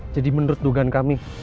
jadi menurut dugaan kami